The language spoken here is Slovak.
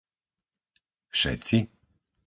Všetci?